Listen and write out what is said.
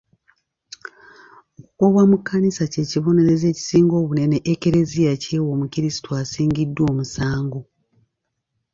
Okugobwa mu kkanisa ky'ekibonerezo ekisinga obunene e Kleziya ky'ewa omukrisitu asingiddwa omusango.